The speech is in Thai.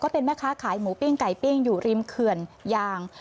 เป็นแม่ค้าขายหมูปิ้งไก่ปิ้งอยู่ริมเขื่อนยาง